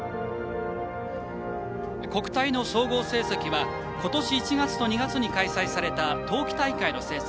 国体の総合成績は今年１月と２月に開催された冬季大会の成績